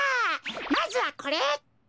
まずはこれ。